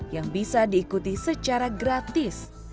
yang bisa diikuti secara gratis